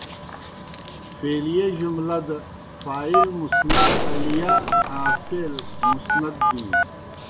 فعلیہ جُملہ دہ فاعل مسند الیہ آں فعل مُسند بِینیْ۔